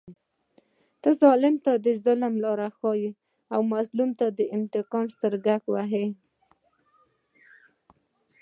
ظلم ته د ظلم لاره ښیي او مظلوم ته د انتقام سترګک وهي.